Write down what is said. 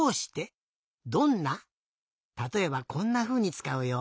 たとえばこんなふうにつかうよ。